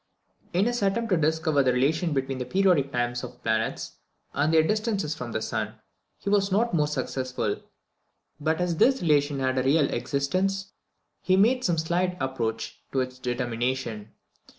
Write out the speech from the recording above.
In his attempt to discover the relation between the periodic times of the planets and their distances from the sun, he was not more successful; but as this relation had a real existence, he made some slight approach to its determination.